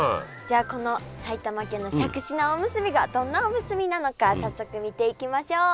じゃこの埼玉県のしゃくし菜おむすびがどんなおむすびなのか早速見ていきましょう。